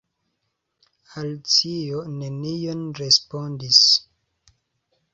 Alicio nenion respondis.